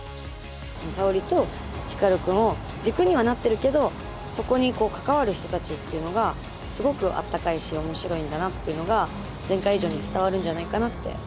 沙織と光くんを軸にはなってるけどそこに関わる人たちっていうのがすごくあったかいし面白いんだなっていうのが前回以上に伝わるんじゃないかなって思います。